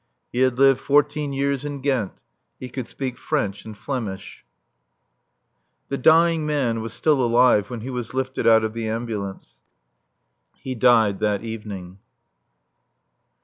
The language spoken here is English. He had lived fourteen years in Ghent. He could speak French and Flemish. The dying man was still alive when he was lifted out of the ambulance. He died that evening.